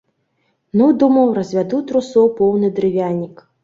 Ну, думаў, развяду трусоў поўны дрывянік.